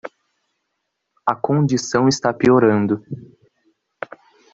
A condição está piorando